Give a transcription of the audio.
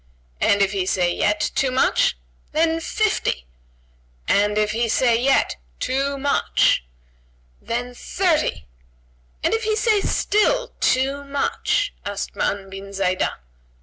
"And if he say yet, too much?" "Then, fifty!" "And if he say yet, too much?" "Then thirty!" "And if he say still, too much?" asked Ma'an bin Zaidah.